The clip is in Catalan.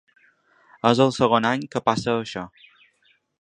És el segon any que passa això.